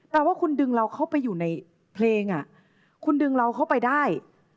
ว่าคุณดึงเราเข้าไปอยู่ในเพลงคุณดึงเราเข้าไปได้